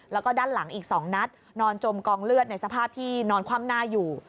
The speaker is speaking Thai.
แล้วก็ด้านหลังอีก๒นัดนอนจมกองเลือดในสภาพที่นอนคว่ำหน้าอยู่